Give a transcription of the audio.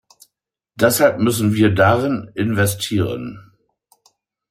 Deshalb müssen wir darin investieren.